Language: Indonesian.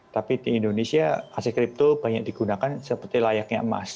tapi di indonesia aset kripto banyak digunakan seperti layaknya emas